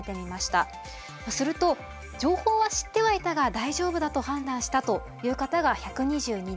すると情報は知ってはいたが大丈夫だと判断したという方が１２２人。